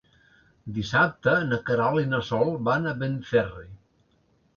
Dissabte na Queralt i na Sol van a Benferri.